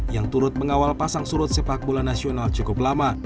yang turut mengawal pasang surut sepak bola nasional cukup lama